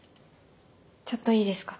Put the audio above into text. ちょっといいですか？